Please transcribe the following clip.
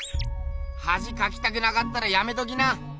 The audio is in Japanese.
はじかきたくなかったらやめときな！